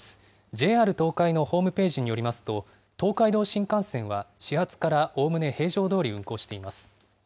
ＪＲ東海のホームページによりますと、東海道新幹線は始発からおおむね平常どおり運行しています。